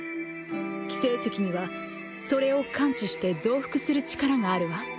輝聖石にはそれを感知して増幅する力があるわ。